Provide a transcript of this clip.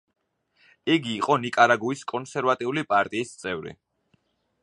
იგი იყო ნიკარაგუის კონსერვატული პარტიის წევრი.